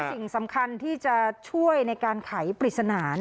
สิ่งสำคัญที่จะช่วยในการไขปริศนา